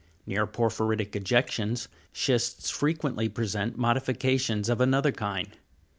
Near porphyritic ejections, schists frequently present modifications of an other kind.